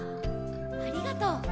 ありがとう。